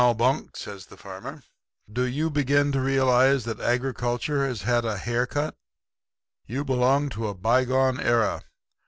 "'Now, Bunk,' says the farmer, 'do you begin to realize that agriculture has had a hair cut? You belong in a bygone era.